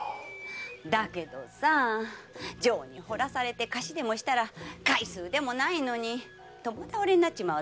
だけど情にほだされて貸しでもしたら返す腕もないのに共倒れになっちまうだろう？